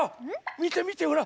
みてみてほら。